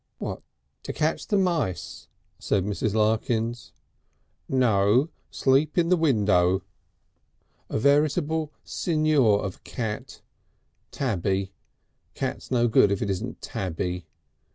"What, to catch the mice?" said Mrs. Larkins. "No sleep in the window. A venerable signor of a cat. Tabby. Cat's no good if it isn't tabby.